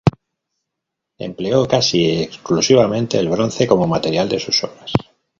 Empleó casi exclusivamente el bronce como material de sus obras.